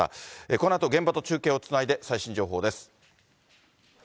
このあと現場と中継をつないで、最新情報です。